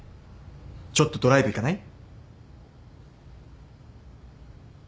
ちょっとドライブ行かない？